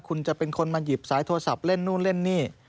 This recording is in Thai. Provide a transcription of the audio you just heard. คุณจะเป็นคนมาหยิบสายโทรศัพท์เล่นนู่นเล่นนี่